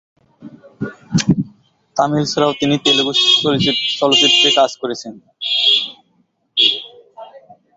তামিল ছাড়াও তিনি তেলুগু চলচ্চিত্রেও কাজ করেছেন।